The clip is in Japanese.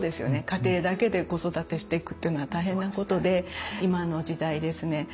家庭だけで子育てしていくっていうのは大変なことで今の時代ですね